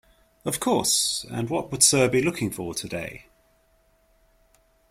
Of course, and what would sir be looking for today?